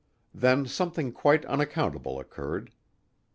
Then something quite unaccountable occurred.